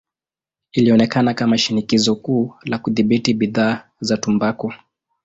Ilionekana kama shinikizo kuu la kudhibiti bidhaa za tumbaku.